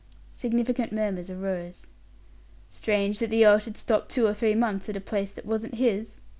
Significant murmurs arose. "Strange that the earl should stop two or three months at a place that wasn't his."